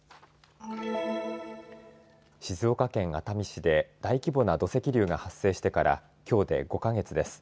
静岡県熱海市で大規模な土石流が発生してからきょうで５か月です。